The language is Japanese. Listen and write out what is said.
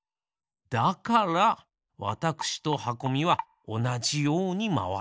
だからわたくしとはこみはおなじようにまわっていたんですね。